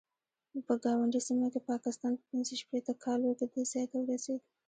په ګاونډۍ سیمه کې پاکستان په پنځه شپېته کالو کې دې ځای ته ورسېد.